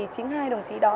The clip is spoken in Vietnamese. chính hai đồng chí đó